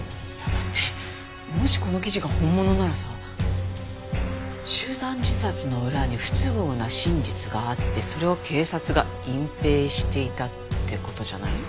だってもしこの記事が本物ならさ集団自殺の裏に不都合な真実があってそれを警察が隠蔽していたって事じゃない？